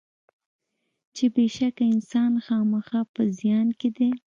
چې بېشکه انسان خامخا په زیان کې دی.